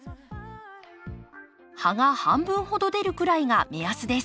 葉が半分ほど出るくらいが目安です。